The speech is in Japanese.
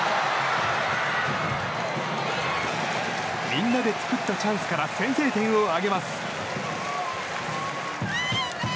みんなで作ったチャンスから先制点を挙げます。